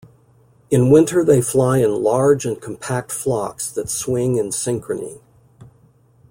In winter they fly in large and compact flocks that swing in synchrony.